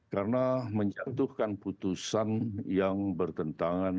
karena menjatuhkan putusan yang bertentangan